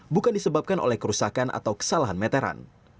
bukan disebabkan oleh kerusakan atau kesalahan meteran